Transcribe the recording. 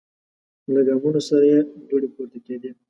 له ګامونو سره یې دوړې پورته کیدې.